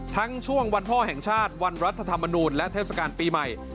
ช่วงวันพ่อแห่งชาติวันรัฐธรรมนูลและเทศกาลปีใหม่